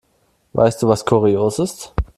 Weißt du, was kurios ist?